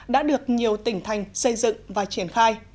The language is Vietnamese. đã được nhiều tỉnh thành xây dựng và triển khai